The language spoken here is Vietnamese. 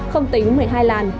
không tính một mươi hai làn